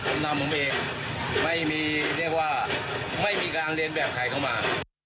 ผมนำผมเองไม่มีเรียกว่าไม่มีการเรียนแบบใครเข้ามา